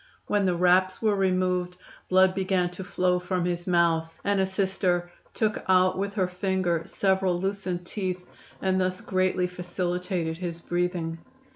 When the wraps were removed blood began to flow from his mouth, and a Sister took out with her finger several loosened teeth, and thus greatly facilitated his breathing.